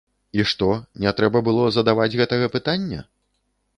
І што, не трэба было задаваць гэтага пытання?